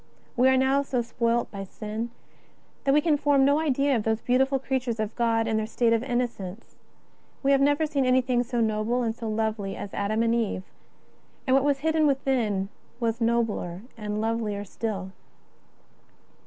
We are now so spoilt by sin that we can form no idea of those beautiful creatures of God in their state of inno cence. We have never seen anything so noble and so lovely as Adam and Eve; and what was hidden within was nobler and lovelier still.